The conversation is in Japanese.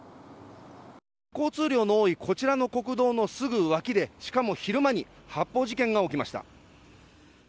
交通量の多いこちらの国道のすぐ脇でしかも昼間に発砲事件が起きました。